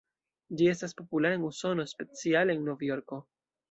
Ĝi estas populara en Usono, speciale en Novjorko.